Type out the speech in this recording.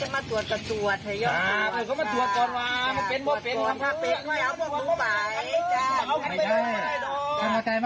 ไม่ง่ายว่าคุณหมอจะมาตรวจกับตรวจ